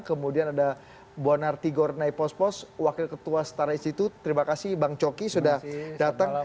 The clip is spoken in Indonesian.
kemudian ada bonartigor naipospos wakil ketua setara institut terima kasih bang coki sudah datang